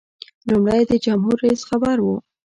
لومړی د جمهور رئیس خبر و.